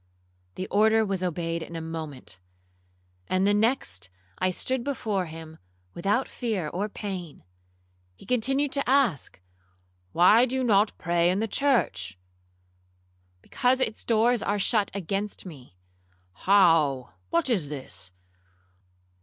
The order was obeyed in a moment, and the next I stood before him without fear or pain. He continued to ask, 'Why do you not pray in the church?'—'Because its doors are shut against me.'—'How? what is this?